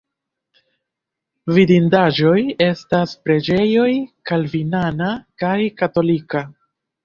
Vidindaĵoj estas preĝejoj kalvinana kaj katolika.